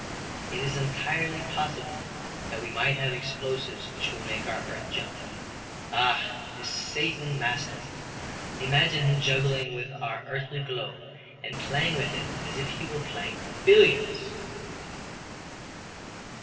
It is entirely possible that we might have explosions which would make our earth jump. Ah, this Satan Maston, imagine him juggling with our earthly globe and playing with it as if he were playing billiards!"